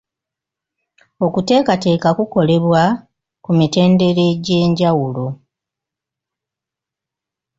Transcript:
Okuteekateeka kukolebwa ku mitendera egy'enjawulo.